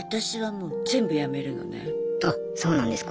あそうなんですか？